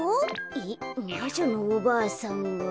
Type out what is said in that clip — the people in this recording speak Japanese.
えっまじょのおばあさんは。